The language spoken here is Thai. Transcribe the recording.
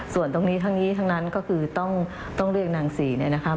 ส่วนตรงนี้ทั้งนี้ทั้งนั้นก็คือต้องเรียกนางศรีเนี่ยนะคะ